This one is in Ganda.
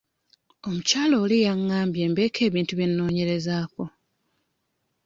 Omukyala oli yangambye mbeeko ebintu bye nnoonyerezaako.